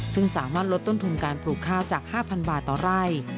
ซึ่งสามารถลดต้นทุนการปลูกข้าวจาก๕๐๐บาทต่อไร่